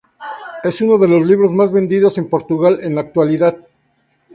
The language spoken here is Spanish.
Es uno de los libros más vendidos en Portugal en la actualidad.